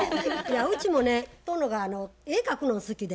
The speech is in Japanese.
うちもね殿が絵描くの好きで。